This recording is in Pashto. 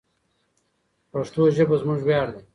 پښتو ژبه زموږ ویاړ دی.